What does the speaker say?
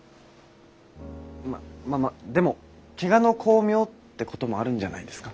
ままでも怪我の功名ってこともあるんじゃないですか？